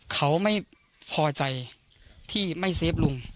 เขาไม่พอใจที่ไม่เซฟลุง